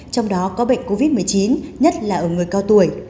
trong đó có bệnh covid một mươi chín nhất là ở người cao tuổi